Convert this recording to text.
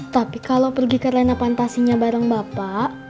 tapi kalau pergi ke arena pantasnya bareng bapak